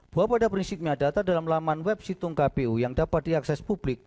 bahwa pada prinsipnya data dalam laman web situng kpu yang dapat diakses publik